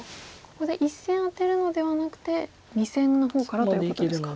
ここで１線アテるのではなくて２線の方からということですか。